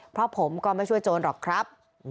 เพราะผมก็ไม่ช่วยโจรหรอกครับ